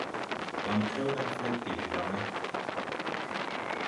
Waŋkrew da flɛgge debaŋ.